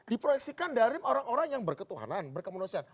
diproyeksikan dari orang orang yang berketuhanan berkemanusiaan